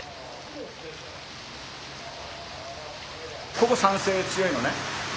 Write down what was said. ここ酸性強いのね。